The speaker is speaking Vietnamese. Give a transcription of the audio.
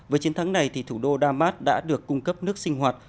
với chiến thắng này thì thủ đô damas đã được cung cấp nước sinh hoạt